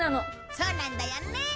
そうなんだよね！